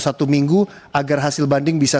satu minggu agar hasil banding bisa